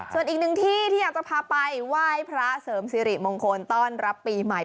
ส่วนอีกหนึ่งที่ที่อยากจะพาไปไหว้พระเสริมสิริมงคลต้อนรับปีใหม่